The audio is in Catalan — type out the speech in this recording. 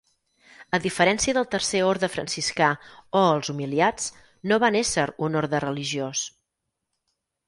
A diferència del Tercer Orde Franciscà o els Humiliats, no van ésser un orde religiós.